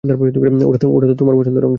ওটা তো আমার পছন্দের অংশ।